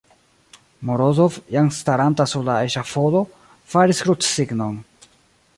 Morozov, jam staranta sur la eŝafodo, faris krucsignon.